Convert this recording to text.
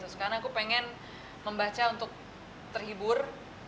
sekarang aku pengen membaca untuk terhibur